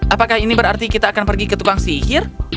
apakah ini berarti kita akan pergi ke tukang sihir